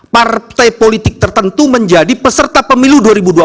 partai politik tertentu menjadi peserta pemilu dua ribu dua puluh